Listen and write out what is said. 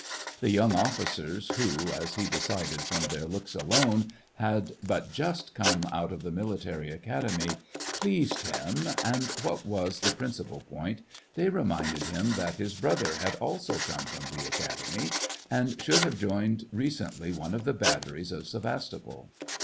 The young officers, who, as he decided from their looks alone, had but just come out of the military acad emy, pleased him, and, what was the principal point, they reminded him that his brother had also come from the academy, and should have joined recently one of the batteries of Sevas topol.